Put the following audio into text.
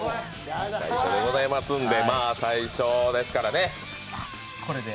最初でございますんで、最初ですからね。